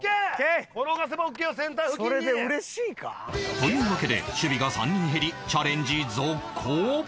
というわけで守備が３人減りチャレンジ続行